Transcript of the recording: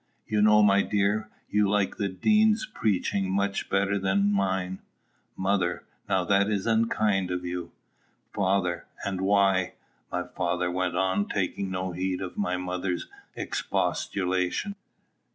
_ You know, my dear, you like the Dean's preaching much better than mine. Mother. Now, that is unkind of you! Father. And why? [My father went on, taking no heed of my mother's expostulation.